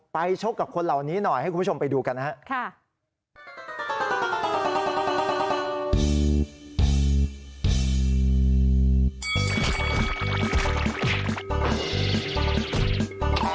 ชกกับคนเหล่านี้หน่อยให้คุณผู้ชมไปดูกันนะครับ